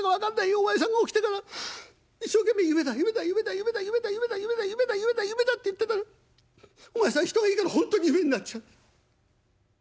お前さんが起きてから一生懸命『夢だ夢だ夢だ夢だ夢だ夢だ夢だ夢だ夢だ夢だ』って言ってたらお前さん人がいいから本当に夢になっちゃった。